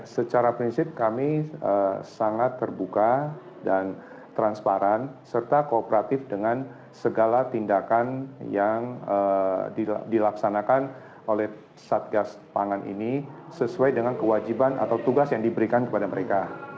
secara prinsip kami sangat terbuka dan transparan serta kooperatif dengan segala tindakan yang dilaksanakan oleh satgas pangan ini sesuai dengan kewajiban atau tugas yang diberikan kepada mereka